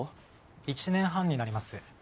１年半になります。